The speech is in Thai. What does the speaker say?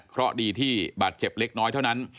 เพราะดีที่บาดเจ็บเล็กน้อยเท่านั้น